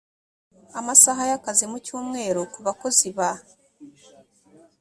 amasaha y akazi mu cyumweru ku bakozi ba